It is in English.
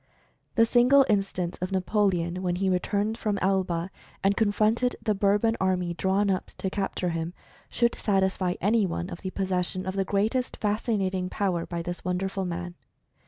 The single instance of Napoleon, when he returned from Elba, and confronted the Bourbon army drawn up to capture him, should satisfy any one of the possession of the greatest Fascinating power by this wonderful man.